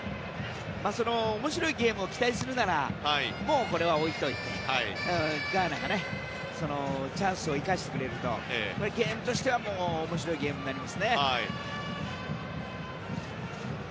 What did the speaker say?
面白いゲームを期待するならもう、それは置いておいてガーナがチャンスを生かしてくれるとゲームとしてはもう面白いゲームになりますね。